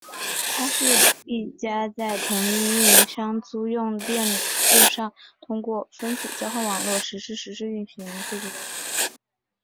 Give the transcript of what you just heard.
她是第一家在同一运营商租用链路上通过分组交换网络处理实时数据的公司。